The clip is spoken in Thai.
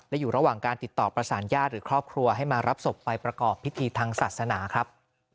และอยู่ระหว่างการติดต่อประสานญาติหรือครอบครัวให้มารับศพไปประกอบพิธีทางศาสนาครับ